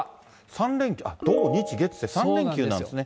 ３連休、土、日、月で、３連休なんですね。